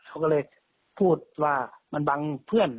เขาก็เลยพูดว่ามันบังเพื่อน